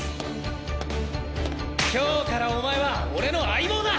今日からお前は俺の相棒だ！